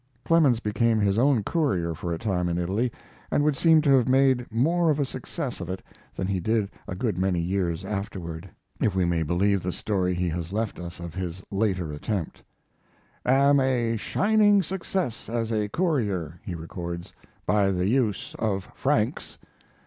Clemens became his own courier for a time in Italy, and would seem to have made more of a success of it than he did a good many years afterward, if we may believe the story he has left us of his later attempt: "Am a shining success as a courier," he records, "by the use of francs.